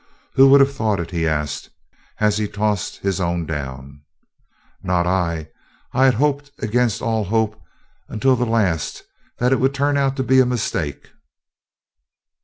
"Who would have thought it?" he asked, as he tossed his own down. "Not I. I had hoped against hope up until the last that it would turn out to be a mistake."